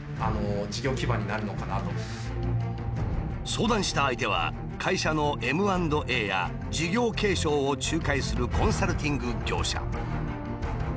相談した相手は会社のＭ＆Ａや事業継承を仲介するコンサルティング業者。